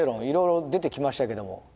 いろいろ出てきましたけども。